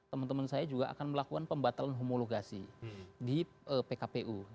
teman teman saya juga akan melakukan pembatalan homologasi di pkpu